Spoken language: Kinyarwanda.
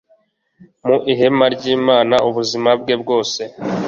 mu ihema ry imana ubuzima bwe bwose